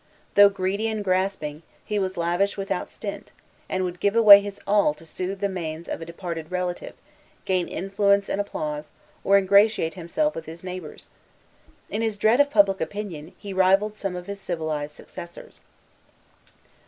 Though greedy and grasping, he was lavish without stint, and would give away his all to soothe the manes of a departed relative, gain influence and applause, or ingratiate himself with his neighbors. In his dread of public opinion, he rivalled some of his civilized successors.